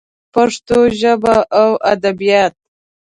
پښتو ژبه او ادبیات